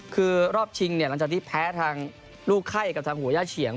คือรอบชิงเนี่ยหลังจากที่แพ้ทางลูกไข้กับทางหัวย่าเฉียง